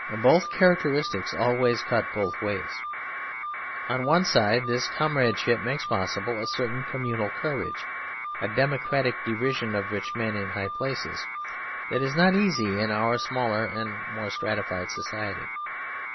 Both characteristics always cut both ways. On one side this comradeship makes possible a certain communal courage, a democratic derision of rich men in high places, that is not easy in our smaller and more stratified society.